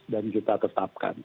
dan kita tetapkan